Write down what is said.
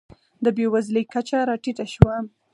د بېوزلۍ کچه راټیټه شوه.